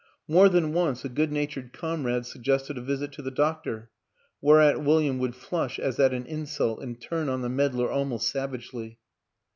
More than once a good natured comrade sug gested a visit to the doctor whereat William would flush as at an insult and turn on the med dler almost savagely.